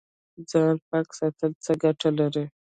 ځان پاک ساتل څه ګټه لري؟